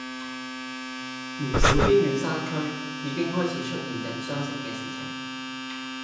唔少邊遠山區已經開始出現人相食嘅事情